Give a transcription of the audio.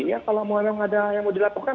ya kalau mau ada yang mau dilaporkan